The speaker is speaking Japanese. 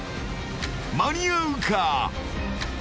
［間に合うか？］